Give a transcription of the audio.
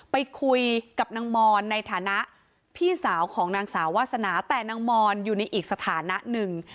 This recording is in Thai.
ไปคุยกับนางมอนในฐานะพี่สาวของนางสาววาสนาแต่นางมอนอยู่ในอีกสถานะหนึ่ง